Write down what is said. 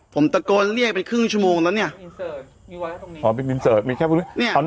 ผมตะโกนเรียกเป็นครึ่งชั่วโมงแล้วเนี้ยอ๋อเป็นเอาหน้าเมื่อกี้อ่ะ